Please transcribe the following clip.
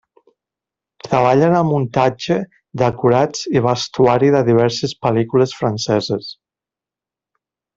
Treballa en el muntatge, decorats i vestuari de diverses pel·lícules franceses.